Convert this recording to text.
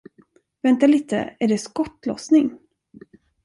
Vänta lite, är det skottlossning?